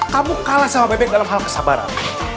kamu kalah sama bebek dalam hal kesabaran